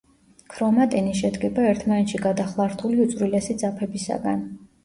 ქრომატინი შედგება ერთმანეთში გადახლართული უწვრილესი ძაფებისაგან.